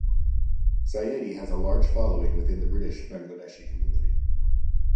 Sayeedi has a large following within the British Bangladeshi community.